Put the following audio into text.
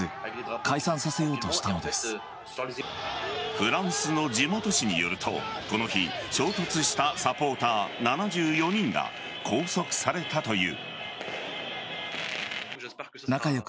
フランスの地元紙によるとこの日、衝突したサポーター７４人が拘束されたという。